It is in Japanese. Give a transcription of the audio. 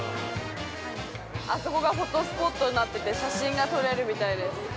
あそこがフォトスポットになっていて、写真が撮れるみたいです。